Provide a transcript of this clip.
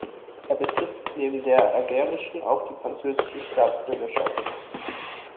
Er besitzt neben der algerischen auch die französische Staatsbürgerschaft.